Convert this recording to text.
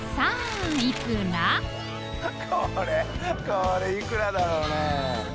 これいくらだろうね。